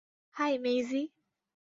High, মেইজি।